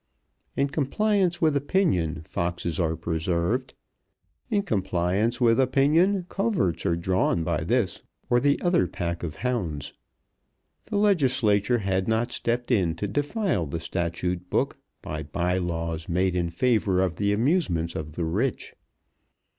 In compliance with opinion foxes are preserved. In compliance with opinion coverts are drawn by this or the other pack of hounds. The Legislature had not stepped in to defile the statute book by bye laws made in favour of the amusements of the rich.